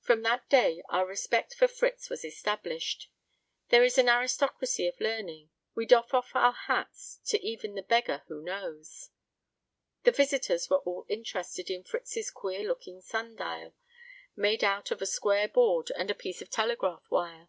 From that day our respect for Fritz was established. There is an aristocracy of learning; we doff our hats to even the beggar who knows. The visitors were all interested in Fritz's queer looking sun dial, made out of a square board and piece of telegraph wire.